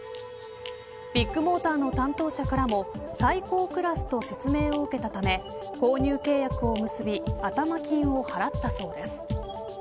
ビッグモーターの担当者からも最高クラスと説明を受けたため購入契約を結び頭金を払ったそうです。